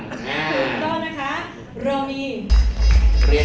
คุณโดนนะคะโรมี